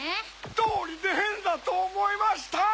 どうりでへんだとおもいました！